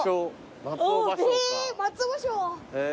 松尾芭蕉か。